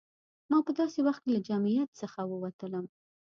ما په داسې وخت کې له جمعیت څخه ووتلم.